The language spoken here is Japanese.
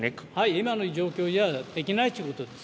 今の状況じゃできないということです。